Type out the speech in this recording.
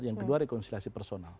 yang kedua rekonsiliasi personal